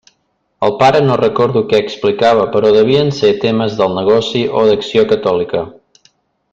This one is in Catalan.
El pare no recordo què explicava, però devien ser temes del negoci o d'Acció Catòlica.